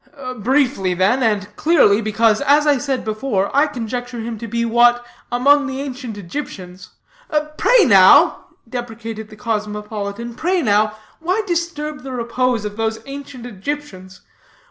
"Briefly, then, and clearly, because, as before said, I conjecture him to be what, among the ancient Egyptians " "Pray, now," earnestly deprecated the cosmopolitan, "pray, now, why disturb the repose of those ancient Egyptians?